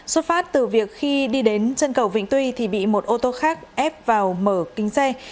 xuất phát từ việc khi đi đến chân cầu vĩnh tuy thì bị một ô tô khác ép vào mở kính xe